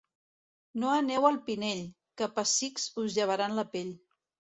No aneu al Pinell, que a pessics us llevaran la pell.